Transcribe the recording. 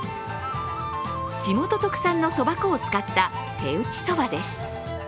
地元特産のそば粉を使った手打ちそばです。